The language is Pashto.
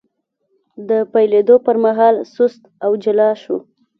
د پیلېدو پر مهال سست او جلا شو،